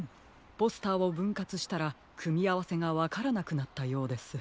ポスターをぶんかつしたらくみあわせがわからなくなったようです。